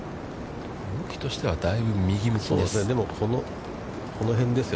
向きとしては、だいぶ右向きです。